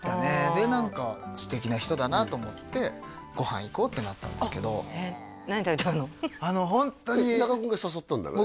で何か素敵な人だなと思ってご飯行こうってなったんですけどあのホントに中尾君が誘ったんだよね？